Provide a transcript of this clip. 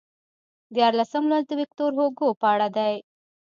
دیارلسم لوست ویکتور هوګو په اړه دی.